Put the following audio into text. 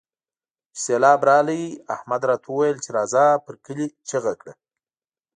چې سېبلاب راغی؛ احمد راته وويل چې راځه پر کلي چيغه کړه.